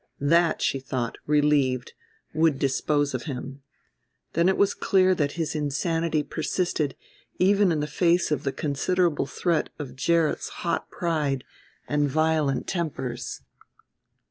That, she thought, relieved, would dispose of him. Then it was clear that his insanity persisted even in the face of the considerable threat of Gerrit's hot pride and violent tempers.